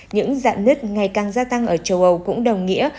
những dạ nứt ngày càng gia tăng ở châu âu cũng đồng nghĩa